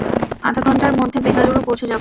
আধঘণ্টার মধ্যে বেঙ্গালুরু পৌছে যাব?